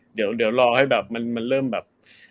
เดี๋ยวรอให้แบบมันเริ่มแบบ